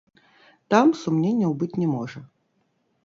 Там сумненняў быць не можа.